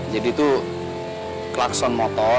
jadi tuh klakson motor